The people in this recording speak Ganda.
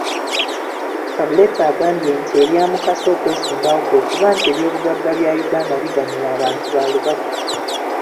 Kabuleeta agambye nti ebyamukase okwesimbawo kwe kuba nti ebyobugagga bya Uganda biganyula abantu balubatu.